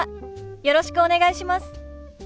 よろしくお願いします。